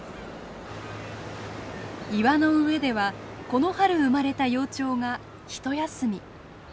岩の上ではこの春生まれた幼鳥が一休み。